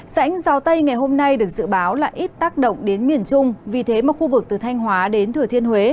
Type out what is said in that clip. rãnh gió tây ngày hôm nay được dự báo là ít tác động đến miền trung vì thế mà khu vực từ thanh hóa đến thừa thiên huế